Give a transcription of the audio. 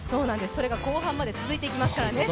それが後半まで続いていきますから。